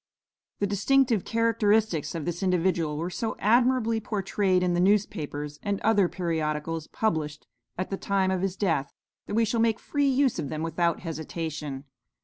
The distinctive characteristics of this individual were so admirably portrayed in the newspapers and other periodicals published at the time of his death, that we shall make free use of them without hesitation.